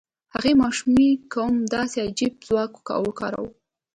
هغې ماشومې کوم داسې عجيب ځواک وکاراوه؟